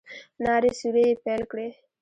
نارې سورې يې پيل کړې.